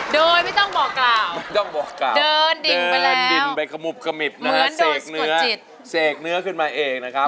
ด้วยไม่ต้องบอกกล่าวไม่ต้องบอกกล่าวเดินดิ่งไปแล้วเดินดิ่งไปกระมุบกระมิดนะฮะเสกเนื้อเสกเนื้อขึ้นมาเอกนะครับ